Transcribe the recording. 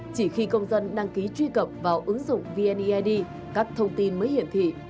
chỉ khi công dân đăng ký truy cập vào ứng dụng vneid các thông tin mới hiển thị